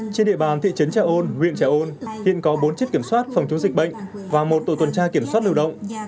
trên địa bàn thị trấn trà ôn huyện trà ôn hiện có bốn chiếc kiểm soát phòng chống dịch bệnh và một tổ tuần tra kiểm soát lưu động